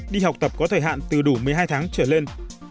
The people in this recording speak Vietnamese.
đi học tập có thời hạn từ đủ một mươi hai tháng trở lên